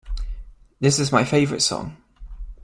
This is my favorite song!